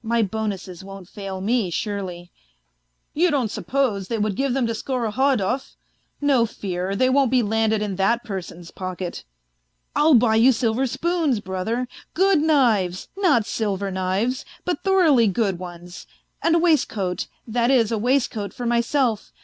... My bonuses won't fail me, surely ; you don't suppose they would give them to Skorohodov ? No fear, they won't be landed in that person's pocket. I'll buy you silver spoons, brother, good knives not silver knives, but thoroughly good ones ; and a waistcoat, that is a waistcoat for myself.